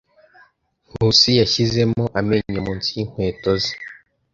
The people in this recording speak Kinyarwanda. Nkusi yashyizemo amenyo munsi yinkweto ze.